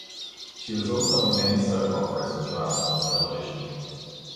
She was also in many soap operas and dramas on television.